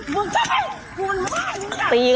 ทีละเนี่ย